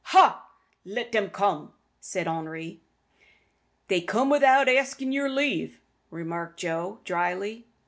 "Ha! let dem come!" said Henri. "They'll come without askin' yer leave," remarked Joe, dryly.